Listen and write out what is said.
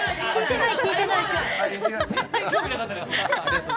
全然、興味なかった。